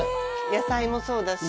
野菜もそうだし